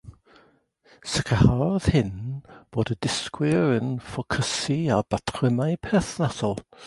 Sicrhaodd hyn bod y dysgwyr yn ffocysu ar batrymau perthnasol